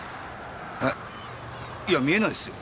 いや見えないっすよ。